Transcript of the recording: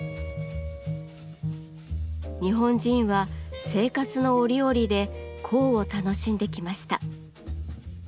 日本人は生活の折々で香を楽しんできました。